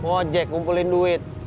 ojak ngumpulin duit